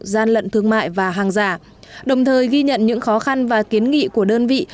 gian lận thương mại và hàng giả đồng thời ghi nhận những khó khăn và kiến nghị của đơn vị